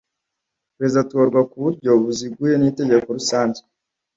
Perezida atorwa ku buryo buziguye n Inteko Rusange